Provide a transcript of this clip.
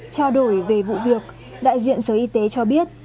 trao đổi về vụ việc đại diện sở y tế cho biết